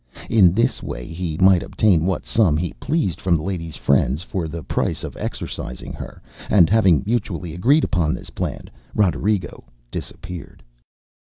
In this way he might obtain what sum he pleased from the ladyŌĆÖs friends for the price of exorcizing her; and having mutually agreed upon this plan, Roderigo disappeared.